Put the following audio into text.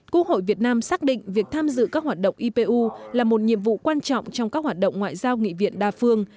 quốc hội việt nam xác định việc tham dự các hoạt động ipu là một nhiệm vụ quan trọng trong các hoạt động ngoại giao nghị viện đa phương